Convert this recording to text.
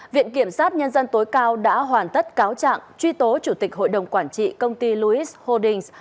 viện kiểm sát nhân dân tối cao đã hoàn tất cáo trạng truy tố chủ tịch hội đồng quản trị công ty louis holdings